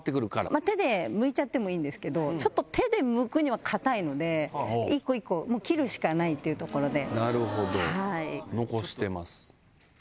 手でむいちゃってもいいんですけどちょっと手でむくには硬いので一個一個切るしかないっていうところでなるほど残してます